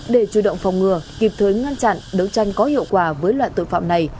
để chủ động phòng ngừa kịp thời ngăn chặn đấu tranh có hiệu quả với loại tội phạm này